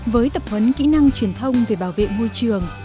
với tập huấn kỹ năng truyền thông về bảo vệ môi trường